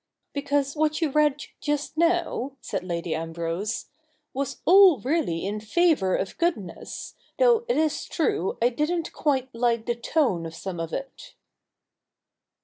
'Because what you read just now,' said Lady Ambrose, ' was all really in favour of goodness, though it is true I didn't quite like the tone of some of it.'